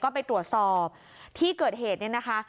ก็ไปตรวจสอบที่เกิดเหตุเนี่ยนะคะ